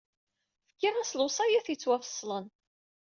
Fkiɣ-as lewṣayat yettwafeṣṣlen.